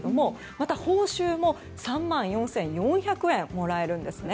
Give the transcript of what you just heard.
また、報酬も３万４４００円もらえるんです。